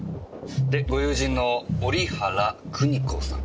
でご友人の折原国子さん。